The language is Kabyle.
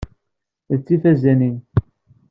D tifazanin.